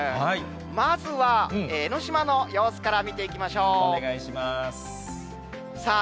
まずは江の島の様子から見ていきお願いします。